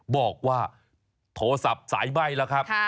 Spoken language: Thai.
บอกว่าโทรศัพท์สายไหม้แล้วครับ